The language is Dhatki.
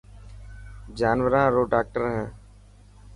جانوران رو ڊاڪٽر هي.